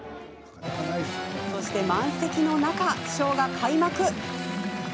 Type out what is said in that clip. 満席の中、ショーが開幕。